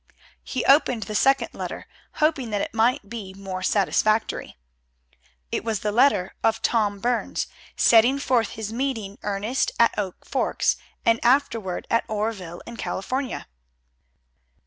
He opened the second letter, hoping that it might be more satisfactory. It was the letter of Tom Burns, setting forth his meeting Ernest at Oak Forks, and afterward at Oreville in California.